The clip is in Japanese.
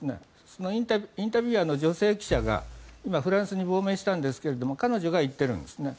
そのインタビュアーの女性記者が今、フランスに亡命したんですが彼女が言っているんですね。